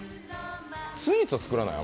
スイーツは作らない？